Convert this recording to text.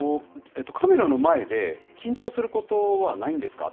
カメラの前で、緊張することはないんですか？